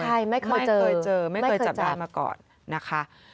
ใช่ไม่เคยเจอไม่เคยจับได้มาก่อนนะคะ